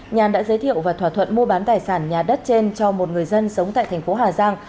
nhàn đã giới thiệu và thỏa thuận mua bán tài sản nhà đất trên cho một người dân sống tại thành phố hà giang